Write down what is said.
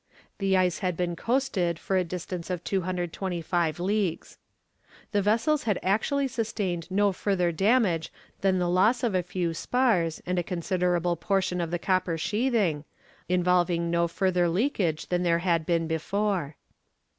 The ice had been coasted for a distance of 225 leagues. The vessels had actually sustained no further damage than the loss of a few spars and a considerable portion of the copper sheathing, involving no further leakage than there had been before.